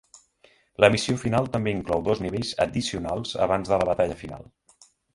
La Missió final també inclou dos nivells addicionals abans de la batalla final.